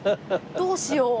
どうしよう。